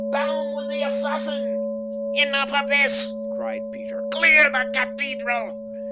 Down with the assassin!" "Enough of this," cried Peter. "Clear the cathedral!"